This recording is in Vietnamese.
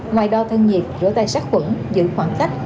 ngoài đo thân nhiệt rửa tay sát quẩn giữ khoảng cách